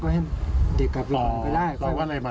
ก็ให้เด็กกลับไปก่อนก็ได้